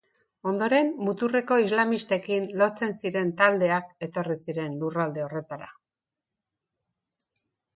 Ondoren, muturreko islamistekin lotzen ziren taldeak etorri ziren lurralde horretara.